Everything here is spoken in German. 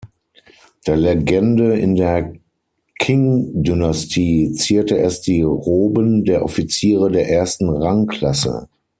Der Legende In der Qing-Dynastie zierte es die Roben der Offiziere der ersten Rangklasse.